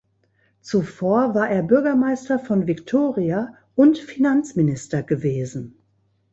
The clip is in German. Zuvor war er Bürgermeister von Victoria und Finanzminister gewesen.